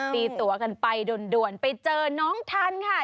ตีตัวกันไปด่วนไปเจอน้องทันค่ะ